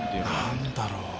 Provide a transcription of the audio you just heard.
何だろう。